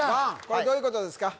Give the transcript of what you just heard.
これどういうことですか？